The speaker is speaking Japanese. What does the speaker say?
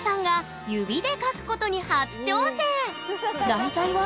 題材は？